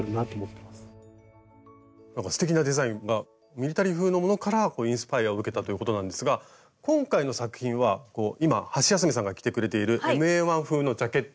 ミリタリー風のものからインスパイアを受けたということなんですが今回の作品は今ハシヤスメさんが着てくれているＭＡ−１風のジャケット。